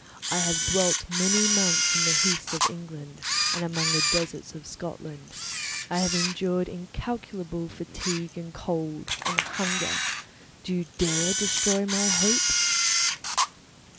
I have dwelt many months in the heaths of England and among the deserts of Scotland. I have endured incalculable fatigue, and cold, and hunger; do you dare destroy my hopes?"